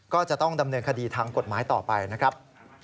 ก็จะต้องดำเนินคดีทางกฎหมายต่อไปนะครับ